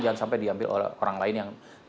jangan sampai diambil oleh orang lain yang tidak bisa